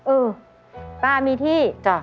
เออป้ามีที่